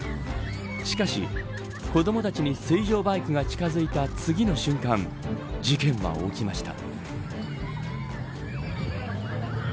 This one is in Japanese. しかし、子どもたちに水上バイクが近づいた次の瞬間事件は起きました。